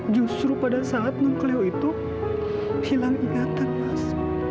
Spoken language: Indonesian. justru pada saat nongkleo itu hilang ingatan mas